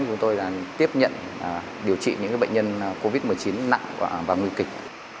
chúng tôi tiếp nhận điều trị những bệnh nhân covid một mươi chín nặng và nguy kịch